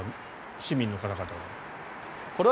市民の方々は。